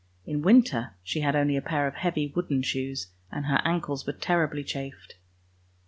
In winter she only had a pair of heavy wooden shoes, and her ankles were terribly chafed.